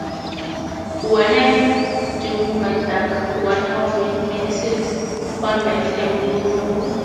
When I do my dark, one-hour miniseries on "Lifetime", you'll know!